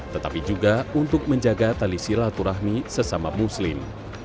tetapi juga untuk menjaga tali silaturahmi sesama muslim